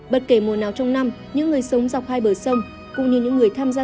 bất kể mùa nào trong năm những người sống dọc hai bờ sông